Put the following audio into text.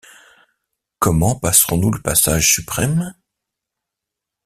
Comment passerons-nous le passage suprême ?